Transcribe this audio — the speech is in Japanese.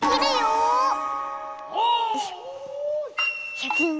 シャキーン！